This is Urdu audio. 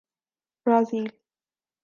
برازیل